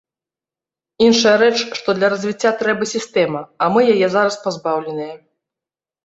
Іншая рэч, што для развіцця трэба сістэма, а мы яе зараз пазбаўленыя.